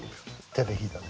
手で弾いたね。